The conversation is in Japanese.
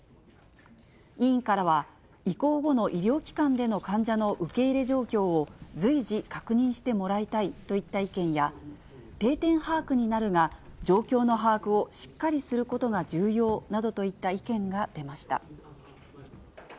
委員からは、移行後の医療機関での患者の受け入れ状況を随時確認してもらいたいといった意見や、定点把握になるが、状況の把握をしっかりすることが重要などといった意見が出ました。